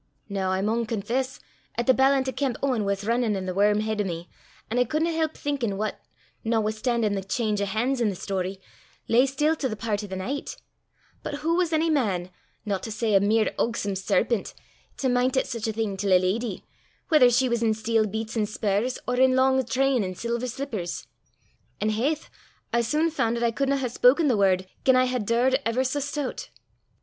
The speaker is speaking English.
Noo I maun confess 'at the ballant o' Kemp Owen was rinnin' i' the worm heid o' me, an' I cudna help thinkin' what, notwithstan'in' the cheenge o' han's i' the story, lay still to the pairt o' the knicht; but hoo was ony man, no to say a mere ugsome serpent, to mint at sic a thing till a leddy, whether she was in steel beets an' spurs or in lang train an' silver slippers? An' haith! I sune fan' 'at I cudna hae spoken the word, gien I had daured ever sae stoot.